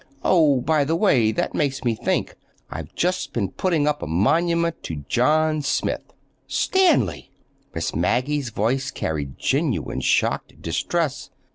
"Oh, by the way, that makes me think. I've just been putting up a monument to John Smith." "Stanley!" Miss Maggie's voice carried genuine shocked distress.